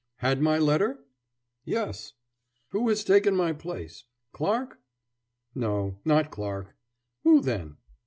"Had my letter?" "Yes." "Who has taken my place Clarke?" "No, not Clarke." "Who, then?"